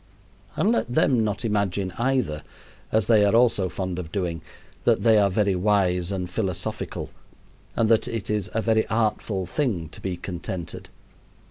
And let them not imagine, either as they are also fond of doing that they are very wise and philosophical and that it is a very artful thing to be contented.